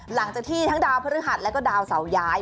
หลังจากที่ทั้งดาวเพรือฮัตและดาวเสาย้าย